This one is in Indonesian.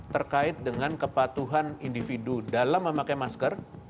terkait dengan kepatuhan individu dalam memakai masker